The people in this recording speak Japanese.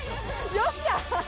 よっしゃ。